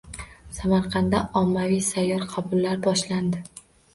Samarqandda ommaviy sayyor qabullar boshlandi